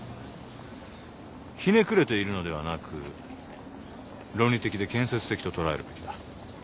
ひねくれているのではなく論理的で建設的ととらえるべきだ。